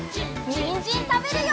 にんじんたべるよ！